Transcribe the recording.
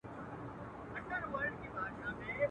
ساقي نوې مي توبه کړه ډک جامونه ښخومه.